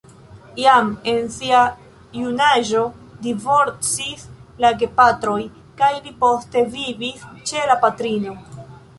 Jam en sia junaĝo divorcis la gepatroj kaj li poste vivis ĉe la patrino.